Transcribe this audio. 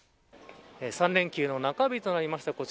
３連休の中日となりました。